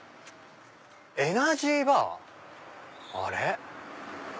エナジーバー？あれ？